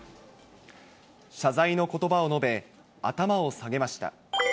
謝罪のことばを述べ、頭を下げました。